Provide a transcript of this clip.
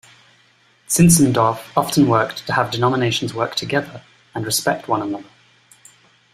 Zinzendorf often worked to have denominations work together and respect one another.